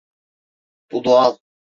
Bu doğal.